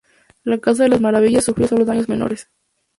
La Casa de las Maravillas sufrió solo daños menores.